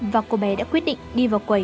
và cô bé đã quyết định đi vào quầy